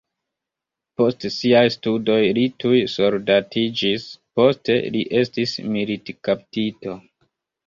Post siaj studoj li tuj soldatiĝis, poste li estis militkaptito.